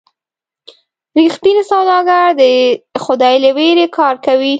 رښتینی سوداګر د خدای له ویرې کار کوي.